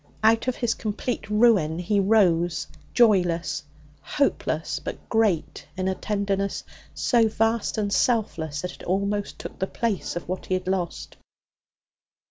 Out of his complete ruin he arose joyless, hopeless, but great in a tenderness so vast and selfless that it almost took the place of what he had lost.